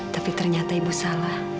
tapi ternyata ibu salah